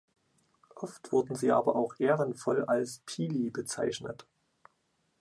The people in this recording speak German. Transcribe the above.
Oft wurden sie aber auch ehrenvoll als „Pili“ bezeichnet.